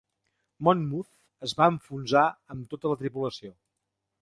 "Monmouth" es va enfonsar amb tota la tripulació.